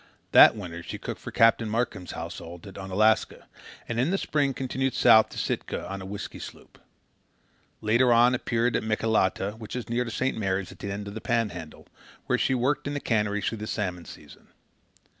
That winter she cooked for Captain Markheim's household at Unalaska, and in the spring continued south to Sitka on a whisky sloop. Later on appeared at Metlakahtla, which is near to St. Mary's on the end of the Pan Handle, where she worked in the cannery through the salmon season.